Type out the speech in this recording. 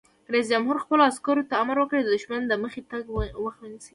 رئیس جمهور خپلو عسکرو ته امر وکړ؛ د دښمن د مخکې تګ مخه ونیسئ!